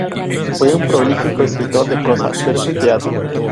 Fue un prolífico escritor de prosa, verso y teatro.